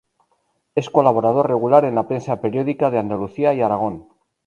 Es colaborador regular en la prensa periódica de Andalucía y Aragón.